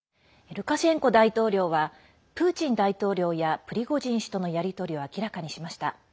ルカシェンコ大統領はプーチン大統領やプリゴジン氏とのやり取りを明らかにしました。